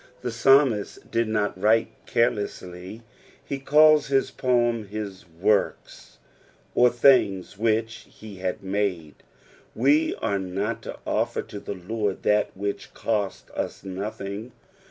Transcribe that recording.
The psalmist did not wnte carelessly ; he colts his poem his works, or things which he had mode. We are not to oHer ti> the Lord that which costs us nothing.